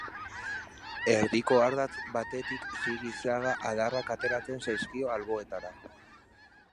Erdiko ardatz batetik sigi-zaga adarrak ateratzen zaizkio alboetara.